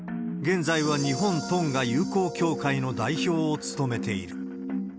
現在は日本トンガ友好協会の代表を務めている。